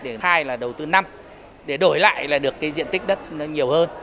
để khai là đầu tư năm để đổi lại là được cái diện tích đất nó nhiều hơn